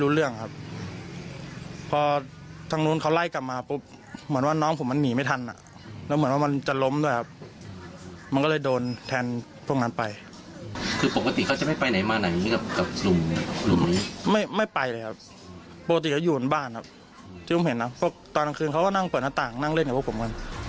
เพราะตอนนั้นคืนเขาก็นั่งเปิดหน้าต่างนั่งเล่นกับผมกัน